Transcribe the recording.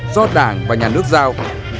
do đảng và nhà nước giao